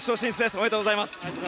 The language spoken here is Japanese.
おめでとうございます。